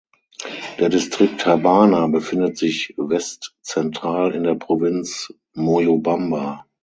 Der Distrikt Habana befindet sich westzentral in der Provinz Moyobamba.